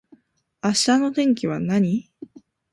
明日の天気は何